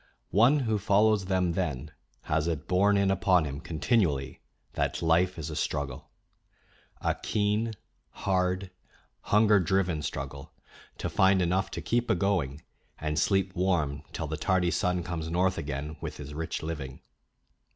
One who follows them then has it borne in upon him continually that life is a struggle, a keen, hard, hunger driven struggle to find enough to keep a going and sleep warm till the tardy sun comes north again with his rich living.